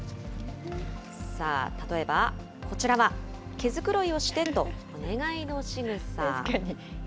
さあ、例えば、こちらは毛づくろいをしてとお願いのしぐさ。